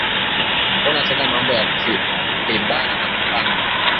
Akuna tena mambo ya kwibana ma mpango